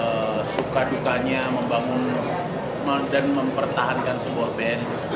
untuk suka dukanya membangun dan mempertahankan sebuah band